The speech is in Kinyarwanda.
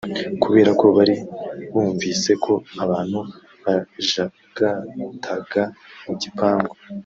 Kubera ko bari bumvise ko abantu bajagataga mu gipangu